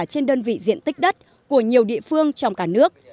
trên đơn vị diện tích đất của nhiều địa phương trong cả nước